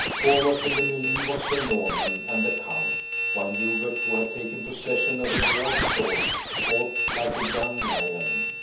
Foremost in the melee was Sir Norman and the count; while Hubert, who had taken possession of the dwarf's sword, fought like a young lion.